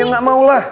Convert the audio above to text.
ya gak maulah